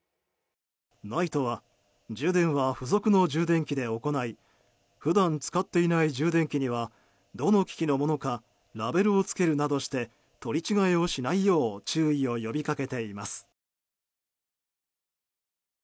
ＮＩＴＥは充電は付属の充電器で行い普段使っていない充電器にはどの機器のものかラベルを付けるなどして取り違えをしないよう注意を呼びかけています。